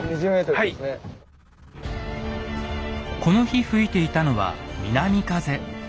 この日吹いていたのは南風。